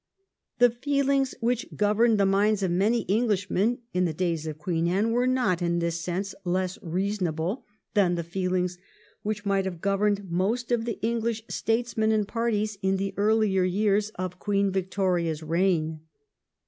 The feelings which governed the minds of many Englishmen in the days of Queen Anne were not in this sense less reasonable than the feehngs which might have governed most of the English statesmen and parties in the earlier years of Queen Victoria's 88 THE REIGN OF QUEEN ANNE. ch. xxv. reign.